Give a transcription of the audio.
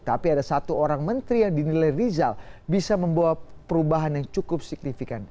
tapi ada satu orang menteri yang dinilai rizal bisa membawa perubahan yang cukup signifikan